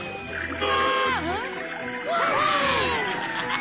あ！